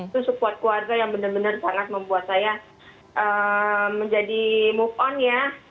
itu support keluarga yang benar benar sangat membuat saya menjadi move on ya